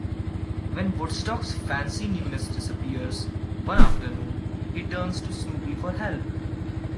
When Woodstock's fancy new nest disappears one afternoon, he turns to Snoopy for help.